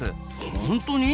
本当に？